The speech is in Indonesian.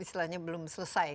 istilahnya belum selesai